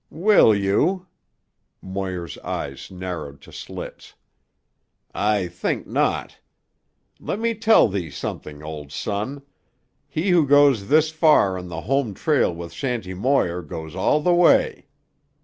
"Will you?" Moir's eyes narrowed to slits. "I think not. Let me tell thee something, old son: he who goes this far on the home trail with Shanty Moir goes all the way.